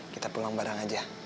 kita pulang bareng aja